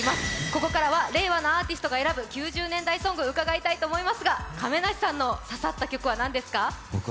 ここからは令和のアーティストが選ぶ９０年代ソングを伺いたいと思いますが亀梨さんの刺さった曲はなんですか？